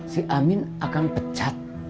si amin akan pecat